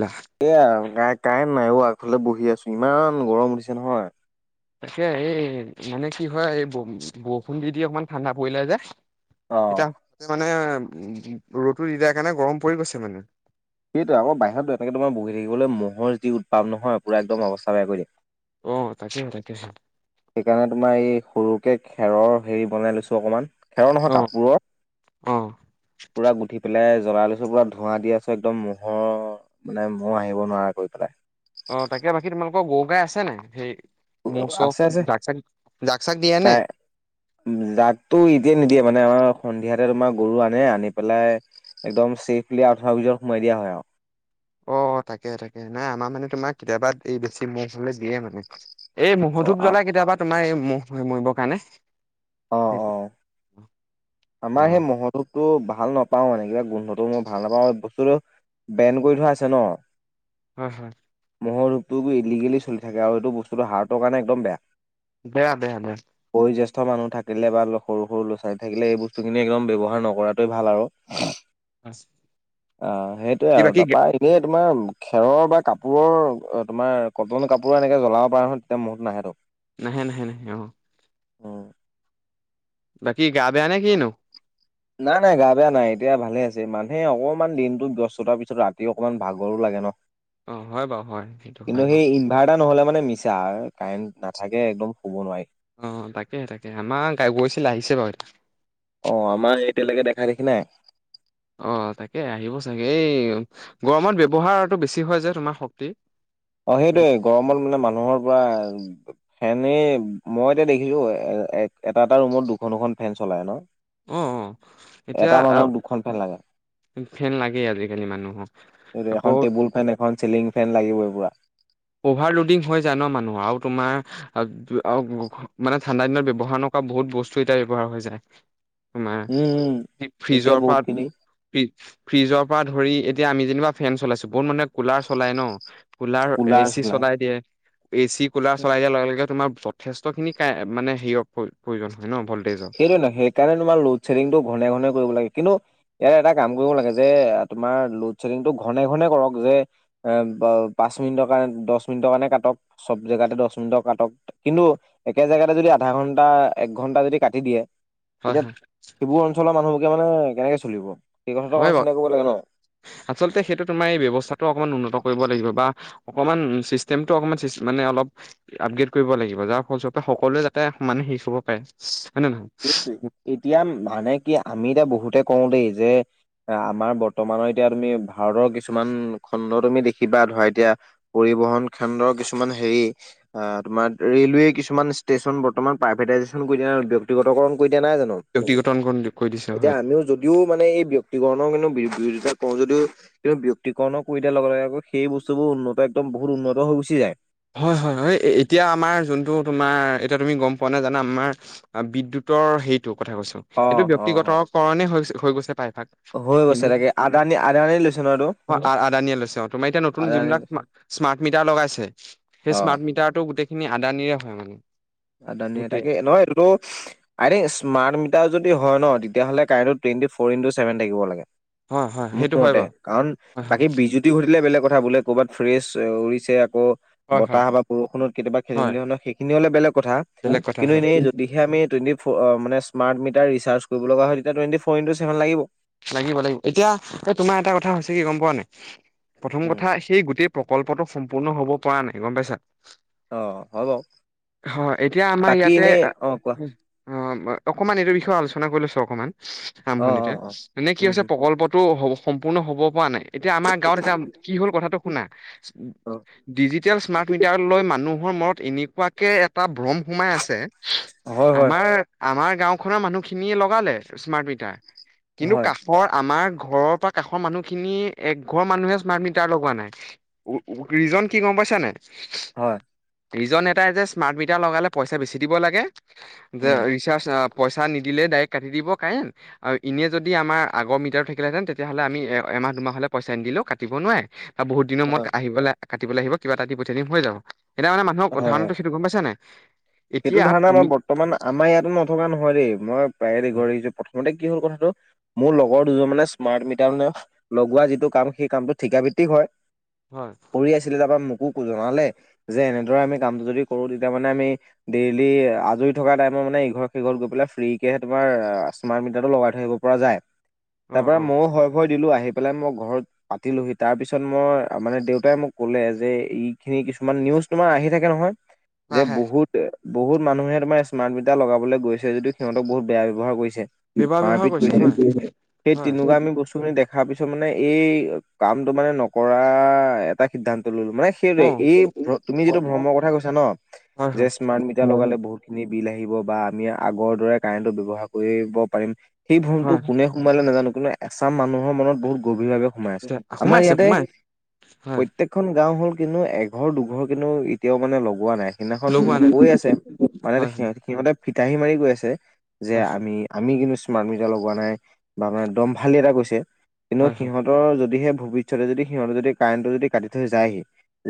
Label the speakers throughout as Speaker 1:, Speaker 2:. Speaker 1: লাহ
Speaker 2: এয়া কা কাই নাইও আগফালে বহি আছো ইমান গৰম উঠিছে নহয়
Speaker 1: তাকে এই মানে কি হয় এই বৰষুণ দি দি অকমান ঠাণ্ডা পৰিলে যে
Speaker 2: অ
Speaker 1: এতিয়া মানে উ ৰ'দো দি দিয়াৰ কাৰণে গৰম পৰি গৈছে মানে
Speaker 2: সেইটো আকৌ বাহিৰতো এনেকে তোমাৰ বহি থাকিবলৈ ম'ৰ যি উৎপাদ নহয় পুৰা একদম অৱস্থা বেয়া কৰিদিয়ে
Speaker 1: অ তাকেই তাকেছ
Speaker 2: সেইকাৰণে তোমাৰ এই সৰুকে খেৰৰ হেৰি বনাই লৈছো অকমান খেৰ নহয়
Speaker 1: অ
Speaker 2: কাপোৰৰ
Speaker 1: অ
Speaker 2: ক পুৰা গুঠি পেলাই জ্বলাই লৈছো পুৰা ধোঁৱা দি আছো একদম ম'ৰ মানে মহ আহিব নোৱাৰা কৰি পেলাই
Speaker 1: অ তাকে বাকী তোমালোকৰ গৰু গাই আছে নে সেই মোৰ
Speaker 2: আছে
Speaker 1: চব
Speaker 2: আছে
Speaker 1: জাক চাক জাক চাক দিয়া নে
Speaker 2: জাকতটো এতিয়া নিদিয়ে মানে আমাৰ সন্ধিয়াতে তোমাৰ গৰু আনে আনি পেলাই একদম চেফলি আঠুৱ ভিতৰত সোমাই দিয়া হয় আৰু
Speaker 1: অ তাকে তাকে নাই আমাৰ মানে তোমাৰ কেতিয়াবা এই বেছি ম হলে দিয়ে মানে এই মহ ধূপ জ্বলাই কেতিয়াবা তোমাৰ এই মহ মৰিবৰ কাৰণে [inaudible]
Speaker 2: অ অ অ আমাৰ সেই মহটোৰ টো ভাল নাপাও এনে কিবা গোন্ধটো মই ভাল নাপাওঁ বস্তুতটো ব্ৰেন কৰি থোৱা আছে ন
Speaker 1: হ হয়
Speaker 2: মহৰ ৰূপটো ইলিগেলি চল থাকে আৰু সেইটো বস্তুটো হাৰ্টৰ কাৰণে একদম বেয়া
Speaker 1: দয়াা দে দে
Speaker 2: বয় জ্যেষ্ঠ মানু থাকে বা সৰু ল' ছোৱালী থাকিলে এইবোৰ বস্তুখিনি একদম ব্যৱহাৰ নকৰাটোৱে ভাল আৰু অ সেইটয়ে
Speaker 1: কি
Speaker 2: আৰু
Speaker 1: বাকী
Speaker 2: তাৰাপা এনেই তোমাৰ খেৰৰ বা কাপোৰৰ তোমাৰ কটন কাপোৰ এনেকে জ্বলাব পাৰা নহয় তেতিয়া মত নাহেেতক
Speaker 1: ন ন ন অ
Speaker 2: অ
Speaker 1: বাকি গা বে নে কি ন
Speaker 2: নাই নাই গা বেয়া নাই এতিয়া ভালে আছে মানুহে অকমান দিনটোো ব্যস্ততাৰ পিছত ৰাতি অকমান ভাগৰো লাগে ন
Speaker 1: অ হয় বাৰু হয় সেইটো হয় বাৰু
Speaker 2: এটা নহ'লে মানে মিছা কাৰেণ্ট নাথাকে একদম শুব নোৱাৰি
Speaker 1: অ তাকেহে তাকে আমাৰ গ গৈছিল আহিছে বাৰু এতিয়া
Speaker 2: অ আমাৰ এতিয়ালৈকে দেখা দেখি নাই
Speaker 1: অ তাকে আহিব চাগে এই গৰমত ব্য্য়ৱহাৰটো বেছি হয় যে তোমাৰ শক্তি
Speaker 2: অ
Speaker 1: গতিকে
Speaker 2: সেইটয়ে গৰমত মানে মানুহৰ পৰা ফেনেই। মই এতিয়া দেখিছো এ, এটা-এটা ৰুমত দুখন-দুখন ফেন চলাই ন?
Speaker 1: অ'। এতিয়া
Speaker 2: এটা মানুহক দুখন ফেন লাগে।
Speaker 1: ফেন লাগেই আজিকালি মানুহক
Speaker 2: এই
Speaker 1: আকৌ
Speaker 2: এখন টেবুল ফেন এখন চিলিং ফেন লাগিব এই পুৰা
Speaker 1: অভাৰলডিং হৈ যায় ন মানুহ আৰু তোমাৰ মানে ঠাণ্ডা দিনত ব্যৱহাৰ নক বহুত বস্তু এতিয়া ব্যৱহাৰ হৈ যায় তোমাৰ
Speaker 2: উম। উম। এতিয়া
Speaker 1: ফ্ৰিজৰ
Speaker 2: বহুত
Speaker 1: পৰা
Speaker 2: খিনি
Speaker 1: ফি ফ্ৰিজৰ পৰা ধৰি এতিয়া আমি যেনিবা ফেন চলাইছো। বহুত মানুহে কুলাৰ চলাই ন। কোলা এচি চলাই দিয়ে। এচি, কুলাৰ চলাই দিয়াৰ লগে লগে তোমাৰ যথেষ্টখিনি কাৰে মানে হেৰিয়ৰ প্ৰয়ো প্ৰয়োজন হ
Speaker 2: সেইটোৱে ন। সেইকাৰণে তোমাৰ লোডশ্বেডিংটো ঘনে-ঘনে কৰিব লাগে। কিন্তু ইয়াৰে এটা কাম কৰিব লাগে যে, তোমাৰ লোডশ্বেডিংটো ঘনে-ঘনে কৰক যে এ দচ মিনিটৰ কাৰণ দচ মিনিটৰ কাৰণে কাটক। চব জেগাতে দচ মিনিটৰ কাটক। কিন্তু একে জেগাতে যদি আধা ঘণ্টা একঘণ্টা যদি কাটি দিয়ে।
Speaker 1: হয়
Speaker 2: তেতিয়া
Speaker 1: হয়
Speaker 2: সেইবোৰ অঞ্চলৰ মানুহবোকে মানে কেনেকে চলিব? সেই কথাটো
Speaker 1: হয়
Speaker 2: অকমান
Speaker 1: বাৰু।
Speaker 2: চিন্তা কৰিব লাগে ন
Speaker 1: আচলতে সেইটো তোমাৰ এই ব্যৱস্থাটো অকমান উন্নত কৰিব লাগিব বা অকমান চিষ্টেমটো অকমান চিছ মানে অলপ আপগ্ৰেড কৰিব লাগিব। যাৰ ফলস্বৰূপে সকলোৱে যাতে মান শেষ হ'ব পাৰে। হয় নে নহয়
Speaker 2: সেইটোৱে। এতিয়া মানে কি আমি এতিয়া বহুতে কওঁ দেই যে আমাৰ বৰ্তমানৰ এতিয়া তুমি ভাৰতৰ কিছুমান খণ্ড তুমি দেখিবা ধৰা এতিয়া পৰিবহন খণ্ড কিছুমান হেৰি আ, তোমাৰ ৰেলৱে কিছুমান ষ্টেচ বৰ্তমান প্ৰাইভেটাইজেশ্যন কৰি দিয়া ব্যক্তিগতকৰণ কৰি এতিয়া নাই জানো?
Speaker 1: ব্যক্তিগত কৰি দিছে হয়
Speaker 2: এতিয়া আমিও যদিও মানে এই ব্যক্তি কৰণৰ কিন্তু বিৰো বিৰোধিতা কৰো যদিও কিন্তু ব্যক্তিকৰণৰ কৰি দিয়াৰ লগে লগে আকৌ সেই বস্তুবোৰ উন্নত একদম বহুত উন্নত হৈ গুচি যায়।
Speaker 1: হয় হয় হয়। এতিয়া আমাৰ যোনটো তোমাৰ এতিয়া তুমি গম পোৱা নে জানা আমাৰ বিদ্যুৎ টৰ সেইটো কথা কৈছো। সেইটো
Speaker 2: অ', অ', অ'।
Speaker 1: ব্যক্তিগতকৰণে হৈ হৈ গৈছে পাই।
Speaker 2: হৈ গৈছে তাকে আদানী আদানী লৈছে ন এইটো?
Speaker 1: অ', আদানীয়ে লৈছে অ'। তোমাৰ এতিয়া নতুন
Speaker 2: আদানী
Speaker 1: যোনবিলাক স্মাৰ্ট স্মাৰ্ট মিটাৰ লগাইছে সেই
Speaker 2: অ'।
Speaker 1: স্মাৰ্ট মিটাৰটো গোটেইখিনি আদানীৰে হয় মানে।
Speaker 2: আদানীৰে।
Speaker 1: গোটেই
Speaker 2: তাকে নহয় এইটো আই থিংক স্মাৰ্ট মিটাৰ যদি হয় ন তেতিাহ'লে কাৰেণ্টটো টুৱেন্টি ফ'ৰ ইনটো চেভন থাকিব লাগে।
Speaker 1: হয় হয়
Speaker 2: মোৰ
Speaker 1: সেইটো হয়
Speaker 2: মতে।
Speaker 1: বাৰু
Speaker 2: কাৰণ
Speaker 1: হয় হয়
Speaker 2: বাকী বিজুতি ঘটিলে বেলেগ কথা বোলে ক'ৰবাত ফ্ৰেচ উৰিছে আকৌ
Speaker 1: হয় হয়
Speaker 2: বতাহ বা বৰষুণত কেতিয়াবা
Speaker 1: হয়
Speaker 2: খেলি-মেলি হ'লে সেইখিনি হ'লে বেলেগ কথা।
Speaker 1: বেলেগ কথা
Speaker 2: কিন্তু
Speaker 1: হয়
Speaker 2: এনে যদিহে আমি টুৱেন্টি ফো মানে স্মাৰ্ট মিটাৰ ৰি চাৰ্চ কৰিব লগা হয় তেতিয়া টুৱেন্টি ফ'ৰ ইণ্টো চেভন লাগিব।
Speaker 1: লাগিব লাগিব এতিয়া এই তোমাৰ এটা কথা হৈছে কি গম পোৱা নে নাই? প্ৰথম
Speaker 2: উম,
Speaker 1: কথা সেই গোটেই প্ৰকল্পটো সম্পূৰ্ণ হ'ব পৰা নাই, গম পাইছা?
Speaker 2: অ' হয় বাৰু
Speaker 1: হয়। এতিয়া আমাৰ
Speaker 2: বাকী
Speaker 1: ইয়াতে
Speaker 2: এনেই অ' কোৱা
Speaker 1: অ', অকমান এইটো বিষয়ে আলোচনা কৰি লৈছো অকমান
Speaker 2: অ'
Speaker 1: আৰম্ভণিতে।
Speaker 2: অ' অ'।
Speaker 1: মানে কি
Speaker 2: উম,
Speaker 1: হৈছে
Speaker 2: উম,
Speaker 1: প্ৰকল্পটো টো হ'ব সম্পূৰ্ণ হ'ব পৰা নাই। এতিয়া আমাৰ গাঁৱত এতিয়া কি হ'ল কথাটো শুনা। ডিজিটেল স্মাৰ্ট মিটাৰ লৈ মানুহ মানুহৰ মূৰত এনেকুৱাকে এটা ভ্ৰম সোমাই আছে।
Speaker 2: অ হয় হয়
Speaker 1: আমাৰ আমাৰ গাওঁখনৰ মানুহখিনিয়ে লগালে স্মাৰ্ট মিটাৰ। কিন্তু
Speaker 2: হয়
Speaker 1: কাষৰ আমাৰ ঘৰৰ পৰা কাষৰ মানুহখিনি একঘৰ মানুহে স্মাৰ্ট মিটাৰ লগোৱা নাই। ৰিজন কি গম কৈছা নে
Speaker 2: হয়।
Speaker 1: ৰিজন এটাই যে স্মাৰ্ট মিটাৰ লগালে পইচা বেছি দিব লাগে যে
Speaker 2: উম
Speaker 1: ৰিচাৰ্জ অঁ পইচা নিদিলে ডাইৰেক্ট কাটি দিব কাৰেণ্ট আৰু এনে যদি আমাৰ আগৰ মিটাৰ থাকিলেতেন তেতিয়াহ'লে আমি এমাহ দুমাহলে পইচা নি দিলেও কাটিব নোৱাৰে বা বহুত দিনৰ মূৰত
Speaker 2: হয় হয়।
Speaker 1: আহিবলে কাটিবলৈ আহিবা কিবা এটা দি পঠিয়াই দিম হৈ যাব সেইটো কাৰণে মানুহক উ
Speaker 2: হয়।
Speaker 1: ধাৰণাটো সেইটো গম পাইছা নাই
Speaker 2: সেইটো
Speaker 1: এতিয়া
Speaker 2: ধাৰণা মই
Speaker 1: তুমি
Speaker 2: বৰ্তমান আমাৰ ইয়াতো নথকা নহয় দেই। মই প্ৰায়ে দে ঘৰি প্ৰথমতে কি হ'ল কথাটো মোৰ লগৰ দুজন মানে স্মাৰ্ট মিটাৰ মানে লগোৱা যিটো কাম সেই কামটো ঠিকাভিত্তিক হয়।
Speaker 1: হয়
Speaker 2: কৰি আছিলে। তাৰ পৰা মোকো জনালে যে এনে আমি কামটো যদি কৰো তেতিয়া মানে আমি ডেইলি আজৰি থকা টাইমত মানে ইঘৰত-সিঘৰত গৈ পেলাই ফ্ৰীকে তোমাৰ স্মাৰ্ট মিটাৰটো লগাই থৈ আহিব পৰা যায়।
Speaker 1: অ
Speaker 2: তাৰ পৰা
Speaker 1: অ
Speaker 2: ময়ো হৰ-ভয় দিলো। আহি পেলাই মই ঘৰত পাতিলোহি। তাৰ পিছত মই মানে দেউতাই মোক ক'লে যে এইখিনি কিছুমান নিউজ তোমাৰ আহি থাকে নহয় যে
Speaker 1: হয় হয়
Speaker 2: বহুত বহুত মানুহে তমাৰ স্মাৰ্ট মিটাৰ লগাবলৈ গৈছে যদি সিহঁতক বহুতেয়া ব্যয়হাৰ কৰিছে।
Speaker 1: ব্যৱহাৰ ব্যৱহাৰ
Speaker 2: মাৰপিত কৰিছে
Speaker 1: হয়
Speaker 2: সেই
Speaker 1: হয়
Speaker 2: তেনেকুৱা আমি বস্তু খিনি দেখ তাৰ পিছত মানে এই কামটো মানে নকৰা এটা সিদ্ধান্ত লৈ ললোঁ মানে সেইদৰে এই তুমি যিটো
Speaker 1: অ
Speaker 2: ভ্ৰমৰ কথা কৈছা ন
Speaker 1: হয়
Speaker 2: যে স্মাৰ্ট মিটাৰ
Speaker 1: হয়
Speaker 2: লগালে বহুতখিন বিল আহিব বা আমি আগৰ দৰে কাৰেন্টটো ব্যৱহাৰ কৰিব পাৰিম সেই ভ্ৰমটো
Speaker 1: হয়
Speaker 2: কোনে সোমালে নাজানো কিন্তু এছাম মানুহৰ মনত বহুত গভীৰভাৱে সোমাই আছে আমাৰ
Speaker 1: সোমাই আছে
Speaker 2: ইয়াতে
Speaker 1: সোমাই হয়
Speaker 2: প্ৰত্যেকখন গাওঁ হ'ল কিন্তু এঘৰ দুঘৰ কিন্তু এতিয়াও মানে লগোৱা নাই সিদিনাখন
Speaker 1: শ্ল' হোৱা নাই
Speaker 2: কৈ
Speaker 1: হয়
Speaker 2: আছে মানে
Speaker 1: হয়
Speaker 2: সিহ সিহঁতে ফিতাহী মাৰি কৈ আছে যে
Speaker 1: হয়
Speaker 2: আমি আমি কিন্তু স্মাৰ্ট মিটাৰ লগোৱা নাই বা মানে দমভালি এটা কৈছে কিন্তু
Speaker 1: হয়
Speaker 2: সিহঁতৰ যদিহে- ভৱিষ্যতে যদি সিহঁতৰ যদি কাৰেণ্টটো যদি কাটি থৈ যায়হি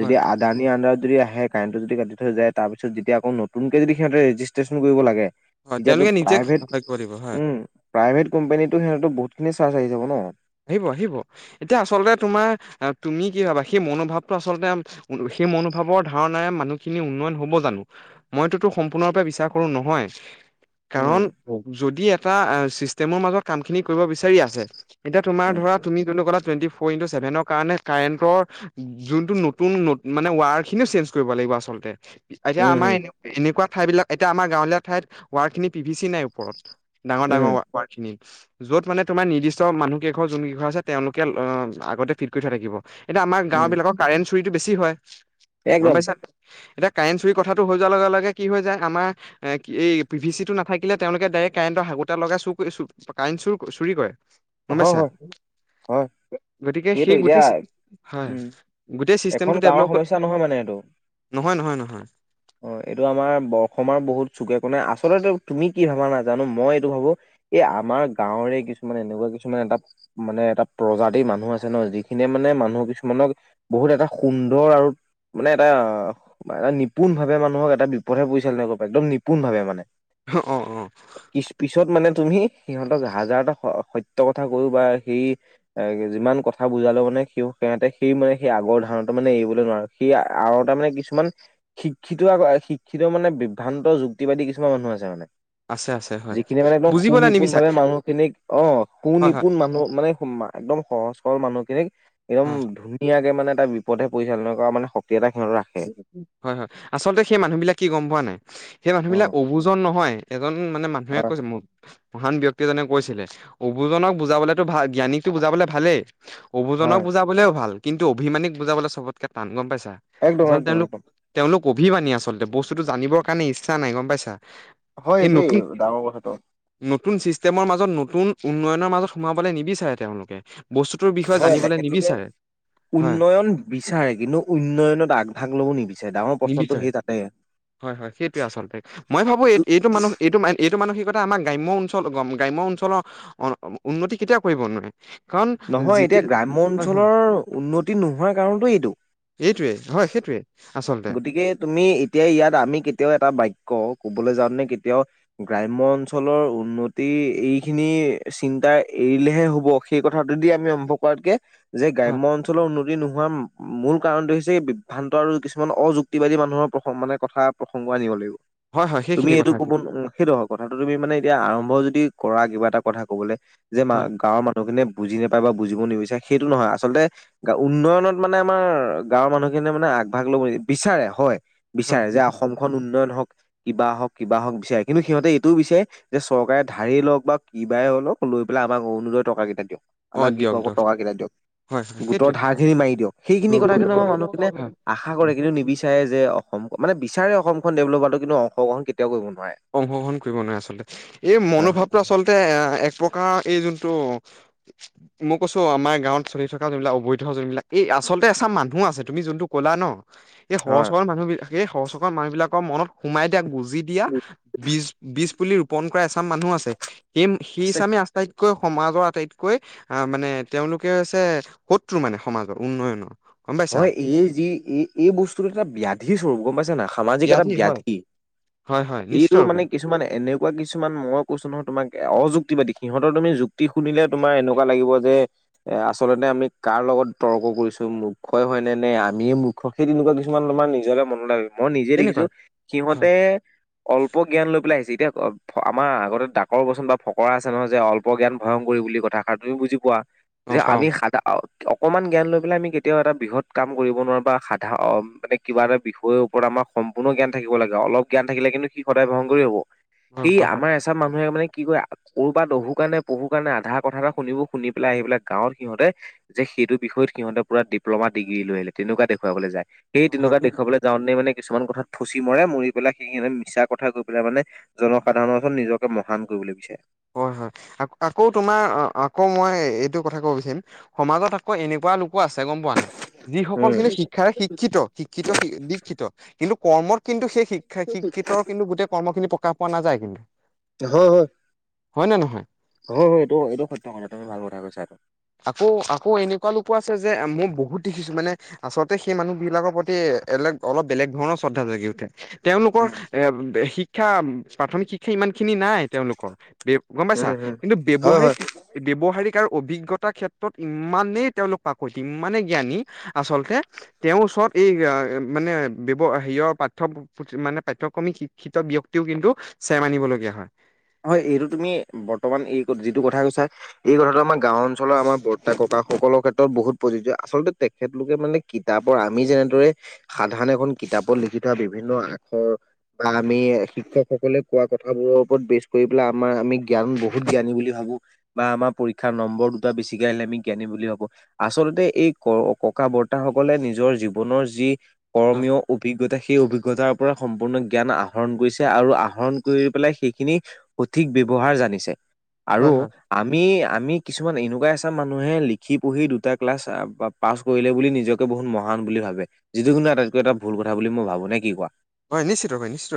Speaker 2: যদি
Speaker 1: হয়
Speaker 2: আদানি আন্দাৰত যদি আহে কাৰেণ্টটো যদি কাটি থয় যায় তাৰ পিছত যেতিয়া আকৌ নতুনকে যদি সিহঁতে ৰেজিষ্ট্ৰেশ্যন কৰিব লাগে
Speaker 1: হয়
Speaker 2: এতিয়াতো
Speaker 1: তেওঁলোকে নিজে
Speaker 2: প্ৰাইভেট
Speaker 1: কৰিব লাগিব হয়
Speaker 2: উম প্ৰাইভেট কোম্পানীতো সিহঁতো বহুত সেই খিনি চাজ আহি যাব ন
Speaker 1: আহিব আহিব এতিয়া আচলতে তোমাৰ তুমি কি ভাবা সেই মনোভাৱটো আচলতে সেই মনোভাৱৰ ধাৰণাৰে মানুহখিনি উন্নয়ন হব জানো মইটোতো সম্পূৰ্ণৰূপে বিশ্বাস কৰো নহয় কাৰণ
Speaker 2: উম
Speaker 1: যদি এটা আ চিষ্টেমৰ মাজত কামখিনি কৰিব বিচাৰি আছে এতিয়া তোমাৰ
Speaker 2: উম
Speaker 1: ধৰা তুমি কনেৱ কাত টুয়েনট্টি ফৰ ইনটো চেভেনৰ কাৰণে কাৰেণ্টৰ যোনটো নতুন মানে ৱায়াৰ খিনিও চেনজ কৰিব লাগিব আচলতে এতিয়া
Speaker 2: উম
Speaker 1: আমাৰ
Speaker 2: উম
Speaker 1: এ এনেকুৱা ঠাই বিলাক এতিয়া আমাৰ গাঁৱলীয়া ঠাইত ৱাৰ খিনি পিভি চি নাই ওপৰত ডাঙৰ
Speaker 2: উম
Speaker 1: ডাঙৰ ৱাৰ খিনি, য'ত মানে তোমাৰ নিৰ্দিষ্ট মানুহ কেইঘৰ জোনগিঘৰ আছে, তেওঁলোকে অ আগতেই ফিট কৰি থোৱা থাকিব, এতিয়া আমাৰ
Speaker 2: উম
Speaker 1: গাও বিলাকৰ কাৰেণ্ট চুৰি টো বেছি হয়, গম
Speaker 2: একদম
Speaker 1: পাইছা নে নাই? এতিয়া কাৰেণ্ট চুৰি কথাটো হৈ যোৱাৰ লগে লগে কি হয় যায়, আমাৰ এ এই পি ভি চিটো নাথাকিলে তেওঁলোকে ডাইৰেক্ট কাৰেণ্টৰ হাকুটা লগাই চুৰ কৰি চুৰ, কাৰেণ্ট চুৰ ক চুৰি কৰে। গম
Speaker 2: হয়
Speaker 1: পাইছা?
Speaker 2: হয় হয়
Speaker 1: গতিকে
Speaker 2: সেইটো
Speaker 1: সেই
Speaker 2: এতিয়া
Speaker 1: গোটেই, হয়।
Speaker 2: উম
Speaker 1: গোটেই
Speaker 2: এখন
Speaker 1: চিষ্টেমটো
Speaker 2: গাঁৱৰ
Speaker 1: ডেভলপ হয়,
Speaker 2: সমস্যা নহয় মানে এইটো
Speaker 1: নহয় নহয়। নহয়
Speaker 2: অ', এইটো আমাৰ অসমৰ বহুত চুকে কোণে আচল আচলতে তুমি কি ভাবা নাজানো, মই এইটো ভাবো এই আমাৰ গাঁৱৰেই কিছুমানে এনেকুৱা কিছুমান এটা মানে এটা প্ৰজাতিৰ মানুহ আছে ন, যিখিনিয়ে মানে মানুহ কিছুমানক বহুত এটা সুন্দৰ আৰু মানে এটা এটা নিপুণ ভাৱে মানুহক এটা বিপথে পৰিচালনা কৰিব পাৰে, একদম নিপুণ ভাৱে মানে।
Speaker 1: অ অ অ
Speaker 2: পিছ পিছত মানে তুমি সিহঁতক হাজাৰটা সত্য কথা কৈও বা সেই যিমান কথা বুজালো মানে সিও সেহতে সেই মানে সেই আগৰ ধাৰণটো মানে এৰিবলৈ নোৱাৰো, সেই আৰু এটা মানে কিছুমান শিক্ষিত আ শিক্ষিত মানে বিভ্ৰান্ত যুক্তিবাদী কিছুমান মানুহ আছে মানে।
Speaker 1: আছে আছে। হয়
Speaker 2: যিখিনি মানে একদম সু
Speaker 1: বুজিবলৈ
Speaker 2: নিপুণ
Speaker 1: নিবিচাৰে
Speaker 2: ভাৱে মানুহখিনিক, অ', সু
Speaker 1: হয় হয়
Speaker 2: নিপুণ মানুহ মানে একদম সহজ। [unintelligible] মানুহখিনিক একদম
Speaker 1: অ
Speaker 2: ধুনীয়াকে মানে এটা বিপথে পৰিচালনা কৰা মানে এটা সিহঁত ৰাখে।
Speaker 1: হয় হয়, আচলতে সেই মানুহ বিলাক কি গম পোৱা নাই? সেই মানুহ
Speaker 2: উম
Speaker 1: বিলাক অবুজন নহয়। উম, মানে মানুহে
Speaker 2: হয়
Speaker 1: কৈছে মোক, মহান ব্যক এজনে কৈছিলে, অবুজনক বুজাবলেতো ভাল, জ্ঞানীতটো বুজাবলে ভালেই অবুজনক
Speaker 2: হয়
Speaker 1: বুজাবলে ভাল, কিন্তু অভিমানিক বুজাবলৈ চবতকে টান গম পাইছা।
Speaker 2: একদম একদম একদম।
Speaker 1: অভিবানি আচলতে, বস্তুটো জানিবৰ কাৰণে ইচ্ছা নাই গম পাইছা।
Speaker 2: হয়,
Speaker 1: এই নতুন
Speaker 2: এইটোৱেই ডাঙৰ কথাটো।
Speaker 1: নতুন চিষ্টেমৰ মাজত নতুন উন্নয়নৰ মাজত সোমাবলৈ নিবিচাৰে তেওঁলোকে। বস্তুটোৰ বিষয়ে
Speaker 2: হয়,
Speaker 1: জানিবলৈ
Speaker 2: তেখেতলোকে
Speaker 1: নিবিচাৰে হয়
Speaker 2: উন্নয়ন বিচাৰে, কিন্তু উন্নয়নত আগ ভাগ লব। [unintelligible] প্ৰশ্নটো
Speaker 1: নিবিচাৰে,
Speaker 2: সেই তাতে।
Speaker 1: হয় হয়। সেইটোৱেই আচলতে মই ভাবো এই এইটো মানুহ এইটো এই মানসিকতা আমাৰ গ্ৰাম্য অঞ্চল গ্ৰাম্য অঞ্চলৰ উন্নতি কেতিয়াও কৰিব নোৱাৰে। কাৰণ
Speaker 2: নহয় এতিয়া
Speaker 1: যেতিয়া
Speaker 2: গ্ৰাম্য
Speaker 1: হয় হয়
Speaker 2: অঞ্চলৰ উন্নতি নোহোৱাৰ কাৰণটো এইটো।
Speaker 1: এইটোৱেইয হয়, সেইটোৱেই।
Speaker 2: গতিকে, তুমি এতিয়া ইয়াত আমি কেতিয়াও এটা বাক্য কবলৈ যাওঁতেনে কেতিয়াও গ্ৰাম্য অঞ্চলৰ উন্নতি এইখিনি চিন্তা এৰিলেহে হ'ব, সেই কথাটোদি আমি আৰম্ভ কৰাতকে যে
Speaker 1: হয়
Speaker 2: গ্ৰাম্য অঞ্চলৰ উন্নতি নোহোৱাৰ মূল কাৰণটো হৈছে, এই বিভ্ৰান্ত আৰু কিছু কিছুমান অযুক্তিবাদী মানুহৰ প্ৰসং মানে কথা প্ৰসংগ আনিব লাগিব।
Speaker 1: হয় হয়
Speaker 2: তুমি
Speaker 1: সেইখিনি
Speaker 2: এইটো
Speaker 1: কথা
Speaker 2: ক'ব সেইটো হয়, কথাটো তুমি মানে এতিয়া আৰম্ভ যদি কৰা কিবা এটা কথা কবলৈ, যে
Speaker 1: হয়
Speaker 2: গাঁৱৰ মানুহখিনিয়ে বুজি নাপায় বা বুজিব নিবিচাৰে সেইটো নহয়, আচলতে গ উন্নয়নত মানে আমাৰ গাঁৱৰ মানুহখিনিয়ে মানে আগ ভাগ ল'ব নি বিচাৰে হয়
Speaker 1: হয়
Speaker 2: বিচাৰে, যে অসমখন উন্নয়ন হওক। কিবা হওক কিবা হওক বিচাৰে, কিন্তু সিহঁতে এইটোও বিচাৰে যে চৰকাৰে ধাৰেই লওক বা কিবাই লওঁক লৈ পেলাই আমাক অৰুনোদয় টকাকেইটা দিয়ক।
Speaker 1: অ
Speaker 2: আমাৰ
Speaker 1: দিয়ক
Speaker 2: কৃষকৰ
Speaker 1: দিয়ক
Speaker 2: টকা কেইটা দিয়ক,
Speaker 1: হয় হয়
Speaker 2: গোটৰ
Speaker 1: সেইটোৱে
Speaker 2: ধাৰ খিনি মাৰি দিয়ক, সেইখিনি কথা কিন্তু আমাৰ মানুহখিনিয়ে আশা কৰে কিন্তু নিবিচাৰে যে অসম মানে বিচাৰে অসমখন ডেভলপ হোৱা, কিন্তু অংশগ্ৰহণ কেতিয়াও কৰিব ন
Speaker 1: অংশগ্ৰহণ কৰিব নোৱাৰে আচলতে, এই
Speaker 2: হয় হয়
Speaker 1: মনোভাৱটো আচলতে এ এক প্ৰকাৰৰ এই যোনটো [inaudible] মই কৈছো আমাৰ গাঁৱত চলি থকা যোনবিলাক অবৈধ যোনবিলাক, এই আচলতে এচাম মানুহো আছে তুমি যোনটো কলা ন। এই সৰহ
Speaker 2: হয়
Speaker 1: চৰ মানুহ বিিলাক এই সৰহ চৰ মানুহবলাকৰ মনত সোমাই দিয়া গুজি দিয়া বজ বুলি ৰোপন কৰা এচাম মানুহ আছে সেই
Speaker 2: আছে
Speaker 1: সেইচামে আস্থাই আতকৈ সমাজৰ আটাইতকৈ আহ মানে তেওঁলোকে হৈছে শত্ৰু মানে সমাজৰ উন্নয়নৰ গম পাইছা
Speaker 2: হয় এই যি এই এই বস্তুত এটা ব ব্যাধি স্বৰূপ গম পাইছে নাখা সামাজিক এটা ব্যাধি
Speaker 1: হয় হয় নিশ্চিত
Speaker 2: এইটো
Speaker 1: ৰূপে
Speaker 2: মানে কিছুমান এনেকুৱা কিছুমান মই কৈছো নহয় তোমাক অযুক্তিবাদী সিহঁতৰ তুমি যুক্তি শুনিলে তোমাৰ এনেকুৱা লাগিব যে এ আচলতে আমি কাৰ লগত তৰ্ক কৰিছো মুূখই হয় নে নে আমিয়ে মুূখ সেই তেনেকুৱা কিছুমান তমাৰ নিজ মনত ল মই নিজে
Speaker 1: তেনেকুৱা
Speaker 2: দেখিছো
Speaker 1: হয়
Speaker 2: সিহঁতে অল্প জ্ঞান লৈ পেলাই আহিছে এতিয়া আমাৰ আগতে ডাকৰ বচন বা ফকৰা আছে নহয় যে অল্প জ্ঞান ভয়ংকৰ বুলি কথাষ তুমি বুজি পোৱা
Speaker 1: অ
Speaker 2: যে
Speaker 1: পাও
Speaker 2: আমি সাদা অকনমান জ্ঞান লৈ পেলাই আমি কেতিয়া কেতিয়াও এটা বৃহৎ কাম কৰিব নোৱাৰাৰে বা সাধা মানে কিবা এটা বিষয়ৰ ওপৰত আমাৰ সম্পূৰ্ণ জ্ঞান থাকিব লাগে আৰু অলপ জ্ঞান থাকিলে কিন্তু সি সদায় ভয়ং কৰি হ'ব সেই আমাৰ
Speaker 1: হয়
Speaker 2: এচাম মানুহে মানে কি কয় কৰৰবাত দহু কাৰণে পহুৰ কাৰণে আধা কথা এটা শুনিব শুনি পেলাই আহি পেলাই গাঁৱত সিহঁতে যে সেইটো বিষয়ত সিহঁতে পৰা ডিপ্ল'মা ডি্ৰী লৈিল তেনেকুৱা দেখুৱাব যায় সেই তেনেকুৱা
Speaker 1: হয়
Speaker 2: দেখুৱাবলৈ যাওঁ ন মানে কিছুমান কথাাত থুচি মৰে মৰি পেলাই সেইখিনিে মিছা কথা গৈ পেলাই মানে জনসাধাৰণৰওৰত নিজকে মহান কৰি বুলি কৈছে
Speaker 1: হয় হয় আক আকৌ তোমাৰ আকৌ মই এইটো কথা কব বিচাৰিম সমাজত আকৌ এনেকুৱা ক লোকো আছে গম পোৱা নাই যিসকল
Speaker 2: উম,
Speaker 1: কিন্তু শিক্ষাৰে শিক্ষিত শিক্ষিত দিক্ষিত কিন্তু কৰ্মত কিন্তু সেই শিক্ষা শিক্ষিত কিন্তু গোটেই কৰ্ম খিনি প্ৰকাশ পোৱা নাযায় কিন্তু
Speaker 2: হয় হয়
Speaker 1: হয় নে নহয়
Speaker 2: হয় হয় এইটো এইটো সত্যয় কথা তুমি ভাল কথা কৈছা
Speaker 1: আকৌ আকৌ এনেকুৱা লোকো আছে যে মই বহুত দেখিছো মানে আচলতে সেই মানুহ বিলাকৰ প্ৰতি এাক অলপ বেলেগ ধৰণৰ শ্ৰদ্ধা জগি উঠে তেওঁলোকৰ
Speaker 2: উম।
Speaker 1: এ শিক্ষা প্ৰাথমিক শিক্ষা ইমান খিনি নাই তেওঁলোকৰ গম
Speaker 2: উম,
Speaker 1: পাইছা
Speaker 2: উম,
Speaker 1: কিন্তু
Speaker 2: হয় হয়।
Speaker 1: ব্যৱহাৰিক ব্যৱহাৰিক আৰু অভিজ্ঞতা ক্ষেত্ৰত ইমানেই তেওঁলোক পাক ইমানে জ্ঞানী আচলতে তেওঁৰ ওচৰত এই মানেৱ হেৰিৰ পাঠ্য মানে পাঠ্যক্ৰমিক শিক্ষিত ব্য্ক্তিও কিন্তু চেৰিব ীয়া হয়
Speaker 2: হয় এইটো তুমি বৰ্তমান এই যিটো কথা কৈছা এই কথাটো আমাৰ গাও অঞ্চলৰ আমাৰ ব ককা সকলৰ ক্ষেত্ৰত বহুত প্ৰযোজ আচলতে তেখেতলোকে মানে কিতাপৰ আমি যেনেদৰে সাধাৰন এখন কিতাপত লিখি থোৱা বিভিন্ন আখৰ বা আমি শিক্ষকসকলে কোৱা কথাবোৰৰ ওপৰত বেছ কৰি পেলাই আমাৰ আমি জ্ঞান বহুত জ্ান বুলি ভাবো বা আমাৰ পৰীক্ষাৰ নম্বৰ দুটা বেছিকে আহিলে আমি জ্ঞানী বুলি ভাবো আচলতে এই ক ককা বৰ্তাসকলে নিজৰ জীৱনৰ যি কৰ্মীয় অভিজ্ঞতা সেই অভিজ্ঞতা অভিজ্ঞতাৰ ওৰত সম্পূৰ্ণ জ্ঞান আহৰণ কৰিছে আৰু আহৰণ কৰি পেলাই সেইখিনি সঠিক ব্য্ৱহাৰ জানিছে আৰু
Speaker 1: হয় হয়
Speaker 2: আমি আমি কিছুমান এনেকুৱাই মানুহে লিখি পঢ়ি দুটা ক্লাছ পাছ কৰিলে বুলি নিজকে বহুত মহান বুলি ভাবে যিটো কিন্তু তজ এটা ভুল কথা বুলি মই ভাবো নে কি কোৱা
Speaker 1: হয় নিশ্চয় হয় নিশ্চয়